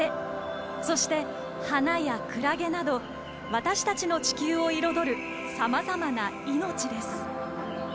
そして、花やクラゲなど私たちの地球を彩るさまざまな命です。